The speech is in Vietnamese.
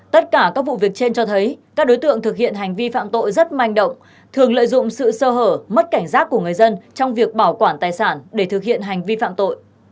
tất cả các vụ việc trên cho thấy các đối tượng thực hiện hành vi phạm tội rất manh động thường lợi dụng sự sơ hở mất cảnh giác của người dân trong việc bảo quản tài sản để thực hiện hành vi phạm tội